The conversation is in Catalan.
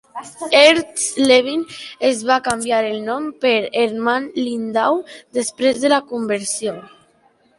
Hertz Levin es va canviar el nom per Hermann Lindau després de la conversió.